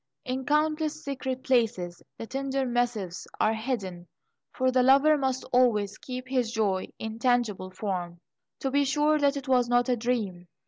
In countless secret places, the tender missives are hidden, for the lover must always keep his joy in tangible form, to be sure that it was not a dream.